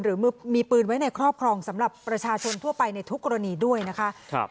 หรือมีปืนไว้ในครอบครองสำหรับประชาชนทั่วไปในทุกกรณีด้วยนะคะ